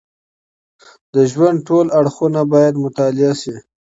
د ژوند ټول اړخونه باید مطالعه سي.